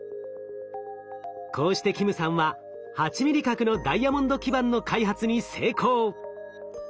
こうして金さんは８ミリ角のダイヤモンド基板の開発に成功。